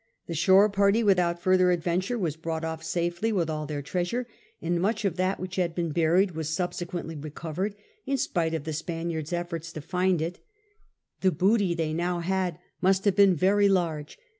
The shore party without further adventure was brought off safely with all their treasure, and much of that which had been buried was subsequently recovered, in spite of the Spaniards' efforts to find it. The booty they now had must have been very large.